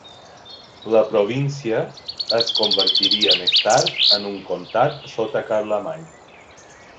La província es convertiria més tard en un comtat sota Carlemany.